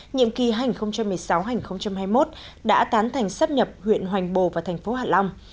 nhiệm kỳ hai nghìn một mươi sáu hai nghìn hai mươi một đã tán thành sắp nhập huyện hoành bồ và thành phố hạ long